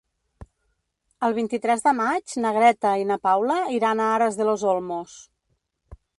El vint-i-tres de maig na Greta i na Paula iran a Aras de los Olmos.